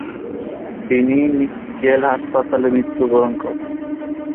তিনি জেল হাসপাতালে মৃত্যুবরণ করেন।